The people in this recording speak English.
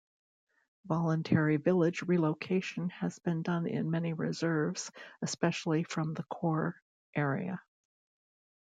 Voluntary Village relocation has been done in many reserves, especially from the core, area.